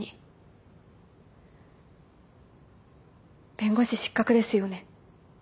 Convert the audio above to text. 弁護士失格ですよね。